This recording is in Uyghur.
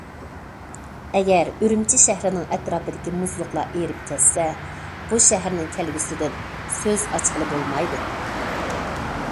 ئەگەر ئۈرۈمچى شەھىرىنىڭ ئەتراپىدىكى مۇزلۇقلار ئېرىپ كەتسە، بۇ شەھەرنىڭ كەلگۈسىدىن سۆز ئاچقىلى بولمايدۇ.